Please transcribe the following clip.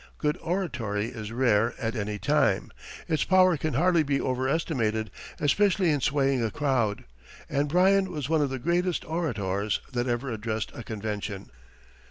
Good oratory is rare at any time; its power can hardly be overestimated, especially in swaying a crowd; and Bryan was one of the greatest orators that ever addressed a convention.